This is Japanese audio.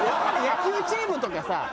野球チームとかさあ